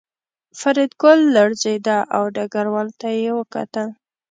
فریدګل لړزېده او ډګروال ته یې وکتل